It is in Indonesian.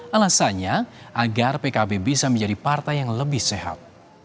alasannya agar pkb bisa menjadi partai yang lebih sehat